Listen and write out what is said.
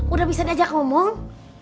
udah bisa diajak ngomong